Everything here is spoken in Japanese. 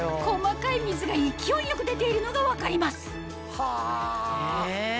細かい水が勢いよく出ているのが分かります